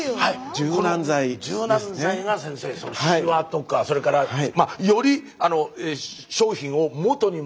柔軟剤が先生そのしわとかそれからより商品を元に戻す力を有してると。